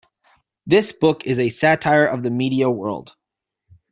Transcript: This book is a satire of the media world.